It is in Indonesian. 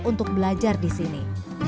untuk belajar di sini